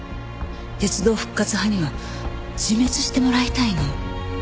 鉄道復活派には自滅してもらいたいの。